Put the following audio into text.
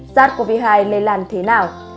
sars cov hai lây làn thế nào